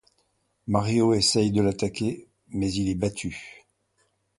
Mario essaye de l'attaquer, mais il est battu.